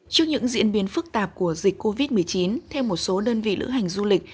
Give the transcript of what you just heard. trước những diễn biến phức tạp của dịch covid một mươi chín theo một số đơn vị lữ hành du lịch